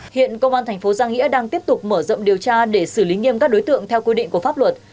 hiện công an thành phố giang nghĩa đang tiếp tục mở rộng điều tra để xử lý nghiêm các đối tượng theo quy định của pháp luật